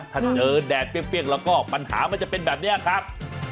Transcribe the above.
ถ้าเจอแดดเปรี้ยงแล้วก็ปัญหามันจะเป็นแบบนี้ครับ